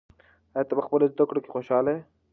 آیا ته په خپلو زده کړو کې خوشحاله یې؟